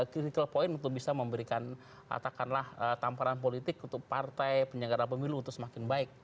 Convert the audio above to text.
critical point untuk bisa memberikan katakanlah tamparan politik untuk partai penyelenggara pemilu untuk semakin baik